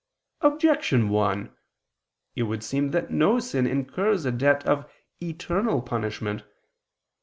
Objection 1: It would seem that no sin incurs a debt of eternal punishment.